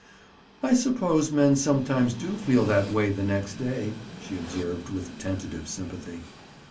"I suppose men sometimes do feel that way the next day," she observed with tentative sympathy.